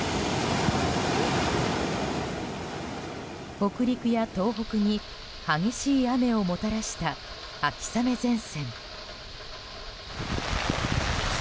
北陸や東北に激しい雨をもたらした秋雨前線。